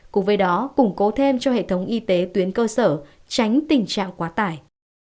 cùng với đó củng cố thêm cho hệ thống y tế tuyến cơ sở tránh tình trạng quá tải